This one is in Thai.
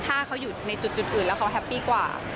ถ้าเขาอยู่ในจุดอื่นแล้วเขาแฮปปี้กว่า